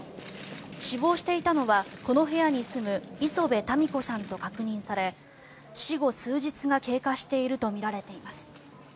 死亡していたのはこの部屋に住む礒邊たみ子さんと確認され死後数日が経過しているとみられています。